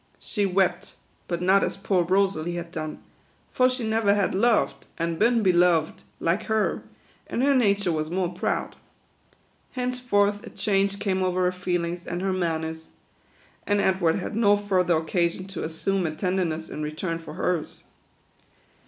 She wept, but not as poor Rosalie had done ; for she never had loved, a'nd been beloved, like her, and her nature was more proud. Henceforth a change came over her feelings and her manners ; and Edward had no fur ther occasion to assume a tenderness in return for hers.